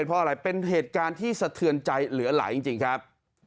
เพราะอะไรเป็นเหตุการณ์ที่สะเทือนใจเหลือหลายจริงครับ